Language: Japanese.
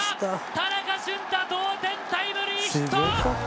田中俊太同点タイムリーヒット！